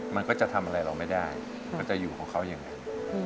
มันก็จะทำอะไรเราไม่ได้มันจะอยู่ของเขาอย่างนั้น